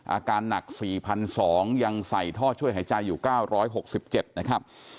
อาการหนัก๔๒๐๐ยังใส่ท่อช่วยหายใจอยู่๙๖๗นะครับ